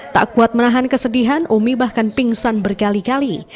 tak kuat menahan kesedihan umi bahkan pingsan berkali kali